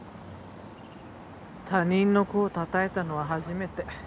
他人の子をたたいたのは初めて。